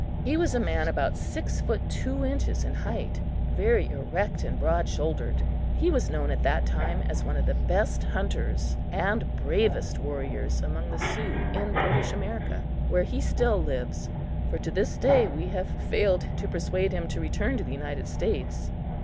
He was a man about six feet two inches in height, very erect and broad shouldered. He was known at that time as one of the best hunters and bravest warriors among the Sioux in British America, where he still lives, for to this day we have failed to persuade him to return to the United States.